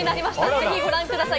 ぜひご覧ください。